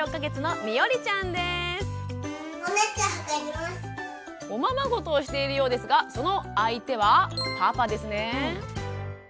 まずはおままごとをしているようですがその相手はパパですね。